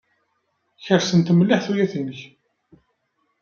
Kersent mliḥ tuyat-nnek.